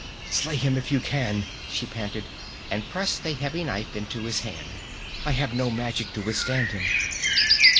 "Slay him if you can!" she panted, and pressed a heavy knife into his hand. "I have no magic to withstand him!"